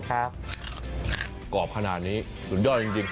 ครับกรอบขนาดนี้สุดยอดจริง